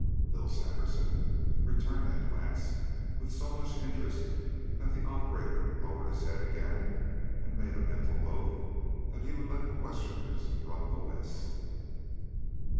Bill Sandersen returned that glance with so much interest that the operator lowered his head again and made a mental oath that he would let the Westerners run the West.